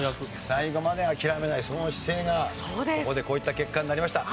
最後まで諦めないその姿勢がここでこういった結果になりました。